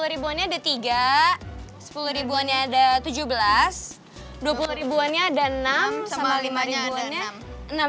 dua ribuannya ada tiga sepuluh ribuannya ada tujuh belas dua puluh ribuannya ada enam sama lima ribuannya